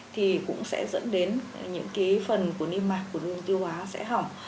thì cũng sẽ dẫn đến những cái phần của niêm mạc của đường tiêu hóa sẽ hỏng